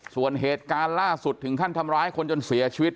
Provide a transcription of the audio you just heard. ส่วนเหตุการณ์ล่าสุดถึงขั้นทำร้ายคนจนเสียชีวิต